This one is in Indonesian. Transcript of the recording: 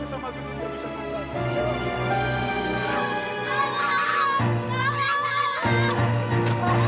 inal belum pulang